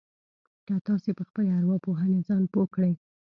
که تاسې په خپلې ارواپوهنې ځان پوه کړئ.